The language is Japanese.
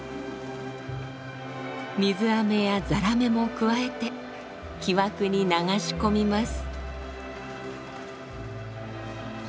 水あめやザラメも加えて木枠に流し込みます。